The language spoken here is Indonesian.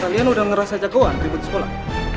kalian udah ngerasa jagoan ribut sekolah